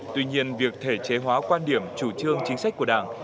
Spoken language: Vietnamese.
tuy nhiên việc thể chế hóa quan điểm chủ trương chính sách của đảng